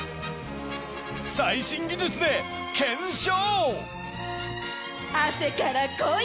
最新技術で検証！